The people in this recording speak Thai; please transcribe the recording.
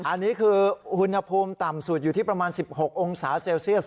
อันนี้คืออุณหภูมิต่ำสุดอยู่ที่ประมาณ๑๖องศาเซลเซียส